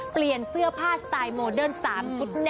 เปลี่ยนเสื้อผ้าสไตล์โมเดิร์น๓ชุด